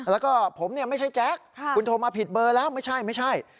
แล้วก็ผมไม่ใช่แจ๊คคุณโทรมาผิดเบอร์แล้วไม่ใช่ไม่ใช่